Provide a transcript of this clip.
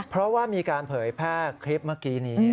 เพราะว่ามีการเผยแพร่คลิปเมื่อกี้นี้